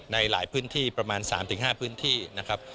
ในหลายพื้นที่ประมาณ๓๕พื้นที่นะครับ